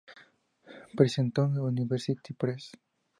Princeton University Press.